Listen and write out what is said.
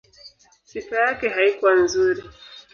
Sifa yake haikuwa nzuri.